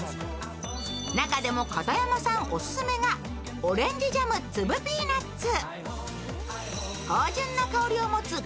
中でも片山さんオススメがオレンジジャム粒ピーナッツ。